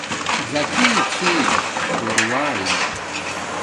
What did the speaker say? زَکی چھی دور وائئ